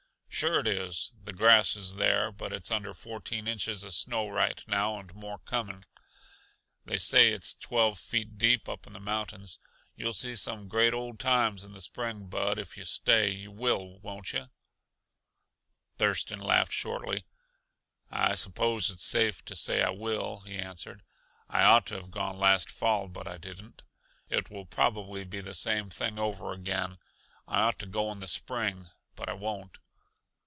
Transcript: "Sure it is. The grass is there, but it's under fourteen inches uh snow right now, and more coming; they say it's twelve feet deep up in the mountains. You'll see some great old times in the spring, Bud, if yuh stay. You will, won't yuh?" Thurston laughed shortly. "I suppose it's safe to say I will," he answered. "I ought to have gone last fall, but I didn't. It will probably be the same thing over again; I ought to go in the spring, but I won't."